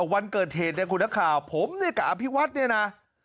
วันเกิดเหตุเนี่ยคุณนักข่าวผมเนี่ยกับอภิวัฒน์เนี่ยนะ